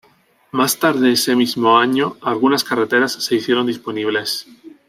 Más tarde ese mismo año, algunas carreteras se hicieron disponibles.